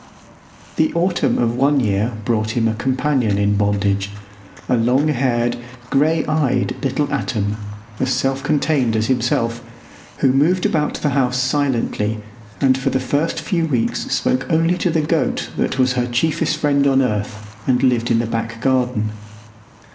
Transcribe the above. The autumn of one year brought him a companion in bondage, a long haired, gray eyed little atom, as self contained as himself, who moved about the house silently and for the first few weeks spoke only to the goat that was her chiefest friend on earth and lived in the back garden.